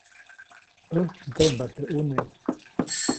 ʼÄjt ndseʼmbaʼt teʼ ʼuneʼ.